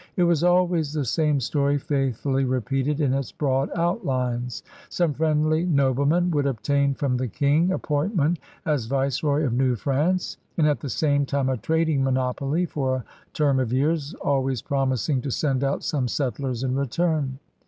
It was always the same story faithfully repeated in its broad outlines. Some friendly nobleman would obtain from the King appointment as viceroy of New France and at the same time a trading monopoly for a term of years, always promising to send out some settlers in return.